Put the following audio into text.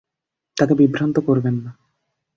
তাকে বিভ্রান্ত করবেন না।